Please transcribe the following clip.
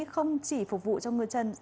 không chỉ phục vụ cho người chân